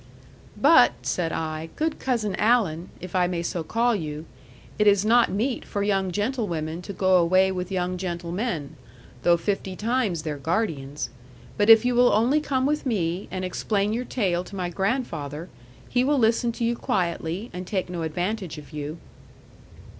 '"But," said I, "good Cousin Alan (if I may so call you), it is not meet for young gentlewomen to go away with young gentlemen, though fifty times their guardians. But if you will only come with me, and explain your tale to my grandfather, he will listen to you quietly, and take no advantage of you."